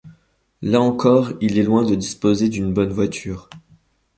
Là encore, il est loin de disposer d'une bonne voiture.